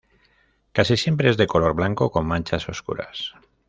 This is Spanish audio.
Casi siempre es de color blanco con manchas oscuras.